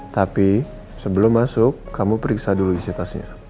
tapi sebelum masuk kamu periksa dulu isi tasnya